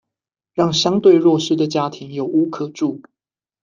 讓相對弱勢的家庭有屋可住